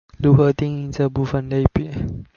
如何定義這部分類別